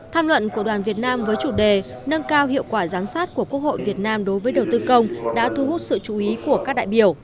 tham luận của đoàn việt nam với chủ đề nâng cao hiệu quả giám sát của quốc hội việt nam đối với đầu tư công đã thu hút sự chú ý của các đại biểu